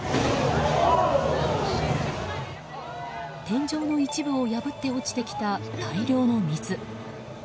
天井の一部を破って落ちてきた大量の水。